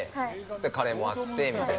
カレーもあってみたいな。